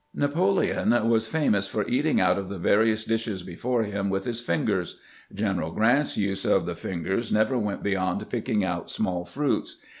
Napoleon was famous for eating out of the various dishes before him with his fingers. General Grrant's use of the fingers never went beyond picking out small fruits.